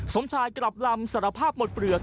สมชายกลับลำสารภาพหมดเปลือก